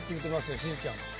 よしずちゃん。